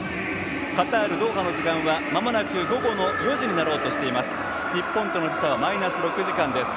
カタール・ドーハの時間はまもなく午後の４時になろうとしています。